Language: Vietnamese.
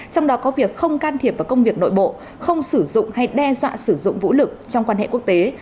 trong đó có việc không can thiệp vào công việc nội bộ không sử dụng hay đe dọa sử dụng vũ lực trong quan hệ quốc tế